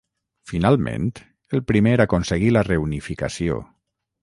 Finalment, el primer aconseguí la reunificació.